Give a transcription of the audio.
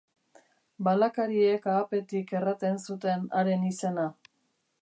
Balakariek ahapetik erraten zuten haren izena.